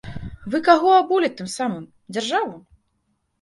Вы каго абулі тым самым, дзяржаву?